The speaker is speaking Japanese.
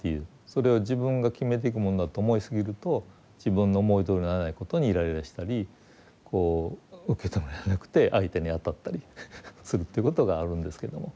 それを自分が決めていくもんだと思いすぎると自分の思いどおりにならないことにイライラしたりこう受け止められなくて相手に当たったりするということがあるんですけども。